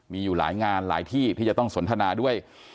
มีอยู่หลายงานหลายที่ที่จะต้องสนทนาด้วย